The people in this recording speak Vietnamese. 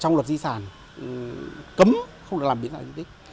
trong luật di sản cấm không được làm biến dạng kinh tích